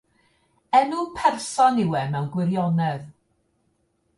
Enw person yw e mewn gwirionedd.